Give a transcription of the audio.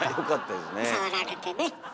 触られてね。